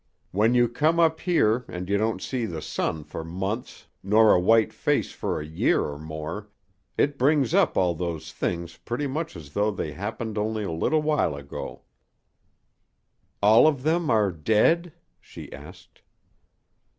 When you come up here and you don't see the sun for months nor a white face for a year or more it brings up all those things pretty much as though they happened only a little while ago.'" "All of them are dead?" she asked.